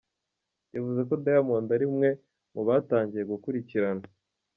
Yavuze ko ‘Diamond ari umwe mu batangiye gukurikiranwa’.